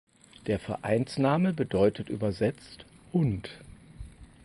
Der Vereinsname bedeutet übersetzt „Hund“.